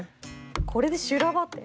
これで修羅場って。